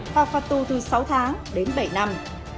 phạt phạt tu từ sáu tháng đến bảy năm